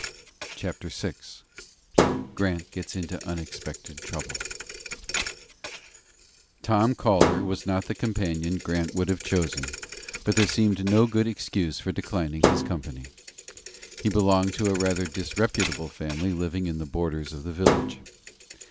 CHAPTER VI GRANT GETS INTO UNEXPECTED TROUBLE TOM CALDER was not the companion Grant would have chosen, but there seemed no good excuse for declining his company. He belonged to a rather disreputable family living in the borders of the village.